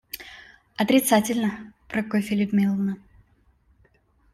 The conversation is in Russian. Отрицательно, Прокофья Людмиловна.